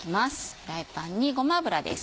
フライパンにごま油です。